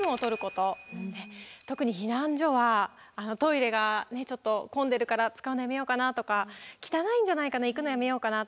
特に避難所はトイレがちょっと混んでるから使うのやめようかなとか汚いんじゃないかな行くのやめようかなって。